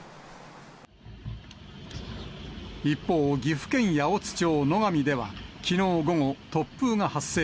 一方、岐阜県八百津町野上では、きのう午後、突風が発生。